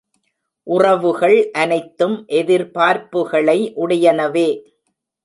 உறவுகள் அனைத்தும் எதிர்பார்ப்புகளை உடையனவே.